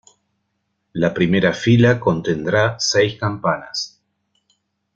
La primera fila contendrá seis campanas.